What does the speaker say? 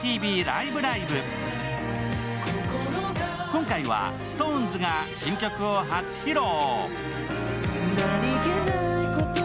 今回はＳｉｘＴＯＮＥＳが新曲を初披露。